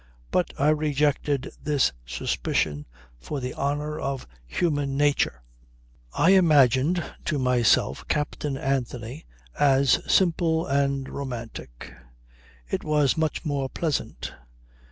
But I rejected this suspicion for the honour of human nature. I imagined to myself Captain Anthony as simple and romantic. It was much more pleasant.